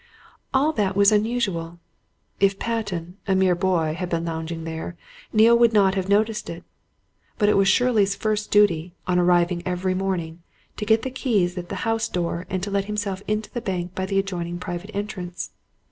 All that was unusual. If Patten, a mere boy, had been lounging there, Neale would not have noticed it. But it was Shirley's first duty, on arriving every morning, to get the keys at the house door, and to let himself into the bank by the adjoining private entrance.